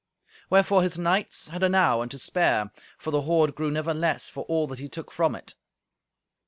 Wherefore his knights had enow and to spare, for the hoard grew never less for all that he took from it.